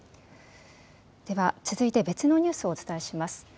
では続いて別のニュースをお伝えします。